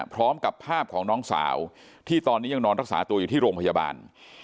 พร้อมกับภาพของน้องสาวที่ตอนนี้ยังนอนรักษาตัวอยู่ที่โรงพยาบาล